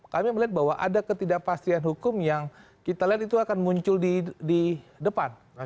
kami melihat bahwa ada ketidakpastian hukum yang kita lihat itu akan muncul di depan